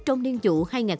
trong niên dụ